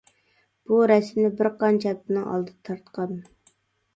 بۇ رەسىمنى بىر قانچە ھەپتىنىڭ ئالدىدا تارتقان.